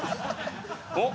おっ？